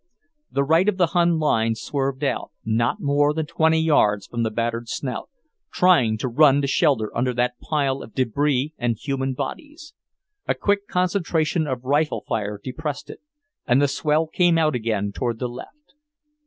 The right of the Hun line swerved out, not more than twenty yards from the battered Snout, trying to run to shelter under that pile of debris and human bodies. A quick concentration of rifle fire depressed it, and the swell came out again toward the left.